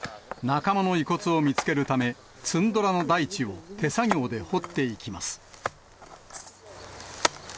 仲間の遺骨を見つけるため、ツンドラの大地を手作業で掘っていきます。